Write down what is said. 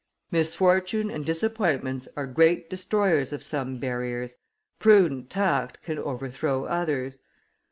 Misfortune and disappointments are great destroyers of some barriers, prudent tact can overthrow others.